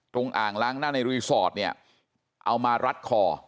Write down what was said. อ่างล้างหน้าในรีสอร์ทเนี่ยเอามารัดคอ